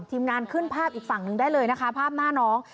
ทีมงานขึ้นภาพอีกฝั่งหนึ่งได้เลยนะคะภาพหน้าน้อง